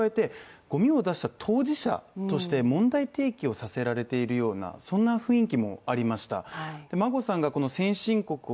当作品を鑑賞しているんですけどそこに加えてゴミを出した当事者として問題提起をさせられているような、そんな雰囲気もありました。